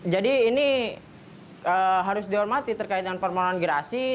jadi ini harus dihormati terkait dengan permohonan gerasi